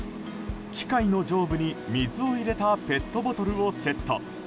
機械の上部に水を入れたペットボトルをセット。